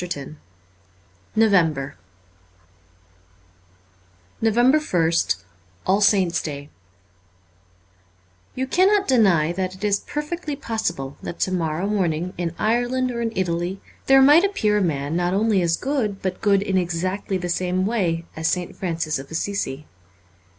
337 N OVEMBER z2 NOVEMBER ist ALL SAINTS' DAY YOU cannot deny that it is perfectly possible that to morrow morning in Ireland or in \, Italy there might appear a man not only as good but good in exactly the same way as St. Francis of Assisi.